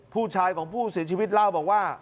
ผู้ชายของผู้เสียชีวิตเล่าบอกว่า